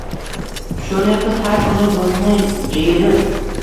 Sho’rlik qiz har kuni burnini jiyirib